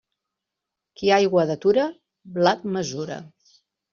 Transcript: Qui aigua detura, blat mesura.